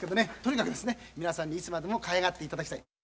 皆さんにいつまでもかわいがって頂きたい。